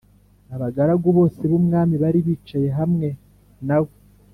Abagaragu bose b umwami bari bicaye hamwe nawe